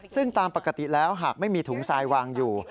ซึ่งตามปกติแล้วหากไม่มีถุงทรายวางอยู่